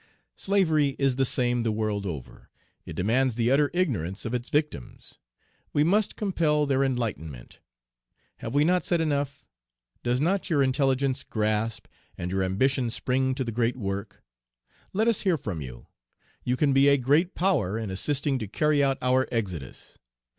Slavery is the same the world over it demands the utter ignorance of its victims. We must compel their enlightenment. Have we not said enough? Does not your intelligence grasp, and your ambition spring to the great work? Let us hear from you. You can be a great power in assisting to carry out our Exodus.